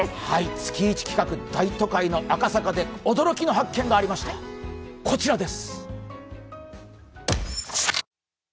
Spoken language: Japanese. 月一企画、大都会の赤坂で驚きの発見がありました、こちらです。